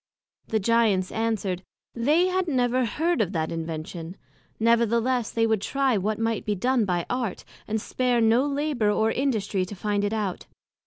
The Giants answered, They had never heard of that Invention; nevertheless, they would try what might be done by Art, and spare no labour or industry to find it out.